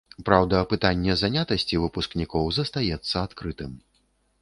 Праўда, пытанне занятасці выпускнікоў застаецца адкрытым.